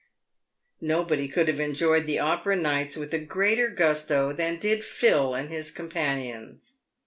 Nobody could have enjoyed the Opera nights with a greater gusto than did Phil and his companions.